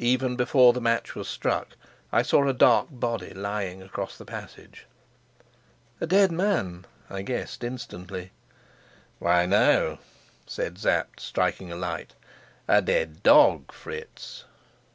Even before the match was struck I saw a dark body lying across the passage. "A dead man?" I guessed instantly. "Why, no," said Sapt, striking a light: "a dead dog, Fritz."